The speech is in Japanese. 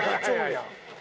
や。